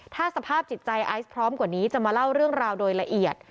ถ้าสภาพจิตใจไอซ์พร้อมกว่านี้จะมาเล่าเรื่องราวโดยละเอียด